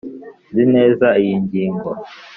nzi neza iyi ngingo.